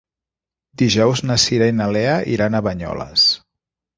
Dijous na Cira i na Lea iran a Banyoles.